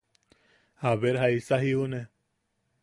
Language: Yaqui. A ver jaisa jiune.